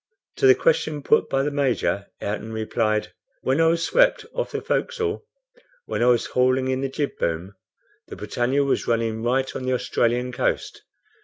To the question put by the Major, Ayrton replied: "When I was swept off the forecastle, when I was hauling in the jib boom, the BRITANNIA was running right on the Australian coast.